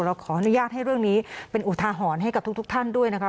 เราขออนุญาตให้เรื่องนี้เป็นอุทาหรณ์ให้กับทุกท่านด้วยนะคะ